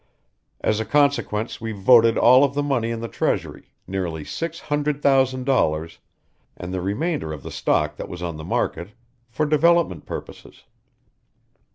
As a consequence we voted all of the money in the treasury, nearly six hundred thousand dollars, and the remainder of the stock that was on the market, for development purposes.